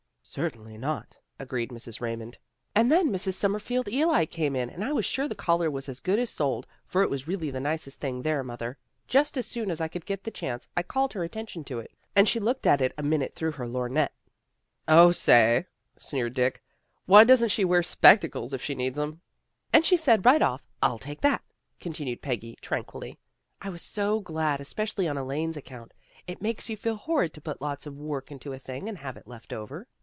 " Certainly not," agreed Mrs. Raymond. " And then Mrs. Summerfield Ely came in, and I was sure the collar was as good as sold, for it was really the nicest thing there, mother. Just as soon as I could get the chance I called her attention to it, and she looked at it a minute through her lorgnette " O, say," sneered Dick, " why doesn't she wear spectacles if she needs 'em? "" And she said right off, ' I'll take that,' " continued Peggy tranquilly; '" I was so glad, especially on Elaine's account. It makes you feel horrid to put lots of work into a thing and have it left over."